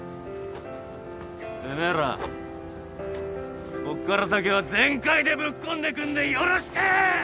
てめえらこっから先は全開でぶっ込んでくんでよろしく！